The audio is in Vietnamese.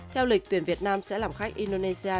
theo lịch tuyển việt nam sẽ làm khách indonesia